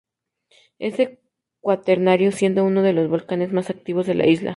Es del Cuaternario, siendo uno de los volcanes más activos de la isla.